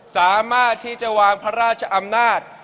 สามารถที่จะวางพระราชอำนาจ